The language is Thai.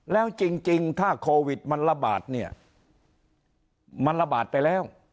แล้วจริงถ้าโควิดมันระบาดเนี่ยมันระบาดไปแล้ว